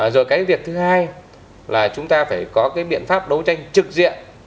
rồi cái việc thứ hai là chúng ta phải có cái biện pháp đấu tranh trực diện